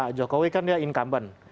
pak jokowi kan dia incumbent